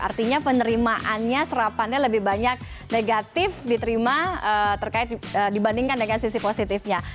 artinya penerimaannya serapannya lebih banyak negatif diterima terkait dibandingkan dengan sisi positifnya